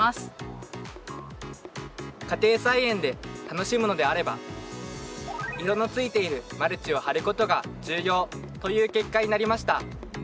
家庭菜園で楽しむのであれば色のついているマルチを張ることが重要という結果になりました。